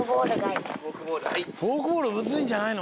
フォークボールむずいんじゃないの？